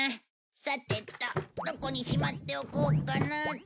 さてとどこにしまっておこうかなっと。